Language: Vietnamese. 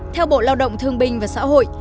theo bộ lao động thương binh và xã hội